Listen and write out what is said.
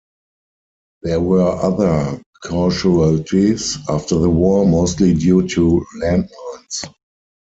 There were other casualties after the war, mostly due to land mines.